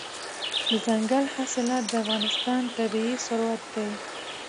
دځنګل حاصلات د افغانستان طبعي ثروت دی.